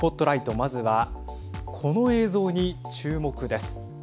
まずは、この映像に注目です。